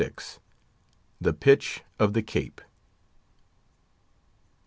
THE PITCH OF THE CAPE.